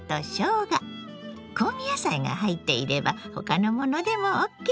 香味野菜が入っていれば他のものでもＯＫ。